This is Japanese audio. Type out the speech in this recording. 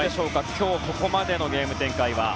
今日ここまでのゲーム展開は。